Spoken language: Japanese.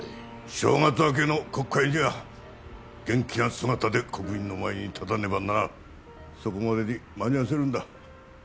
正月明けの国会には元気な姿で国民の前に立たねばならんそこまでに間に合わせるんだ